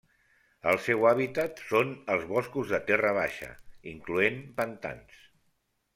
El seu hàbitat són els boscos de terra baixa incloent pantans.